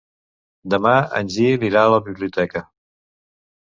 Demà en Gil irà a la biblioteca.